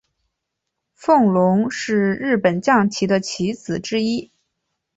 风龙是日本将棋的棋子之一。